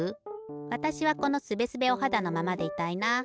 わたしはこのすべすべおはだのままでいたいな。